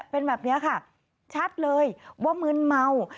เป็นแบบนี้ค่ะชัดเลยว่ามึนเมา